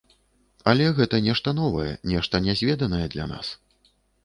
Але гэта нешта новае, нешта нязведанае для нас.